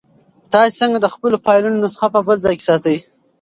تاسو څنګه د خپلو فایلونو نسخه په بل ځای کې ساتئ؟